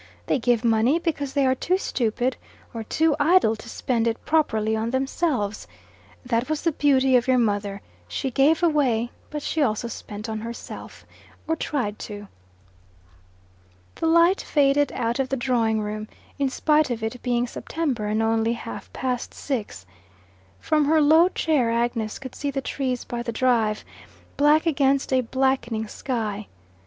They give money because they are too stupid or too idle to spend it properly on themselves. That was the beauty of your mother she gave away, but she also spent on herself, or tried to." The light faded out of the drawing room, in spite of it being September and only half past six. From her low chair Agnes could see the trees by the drive, black against a blackening sky.